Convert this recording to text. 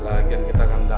lagian kita kan udah